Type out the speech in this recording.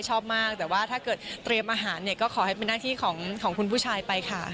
ชอบมากแต่ว่าถ้าเกิดเตรียมอาหารเนี่ยก็ขอให้เป็นหน้าที่ของคุณผู้ชายไปค่ะ